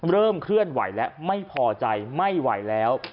เคลื่อนไหวและไม่พอใจไม่ไหวแล้ว